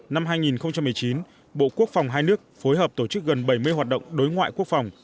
năm hai nghìn một mươi chín bộ quốc phòng hai nước phối hợp tổ chức gần bảy mươi hoạt động đối ngoại quốc phòng